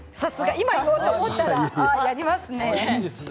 今やろうと思ったらやりますね。